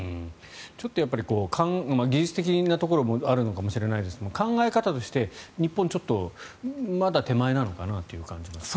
ちょっと技術的なところもあるのかもしれないですが考え方として日本はちょっとまだ手前なのかなという感じがします。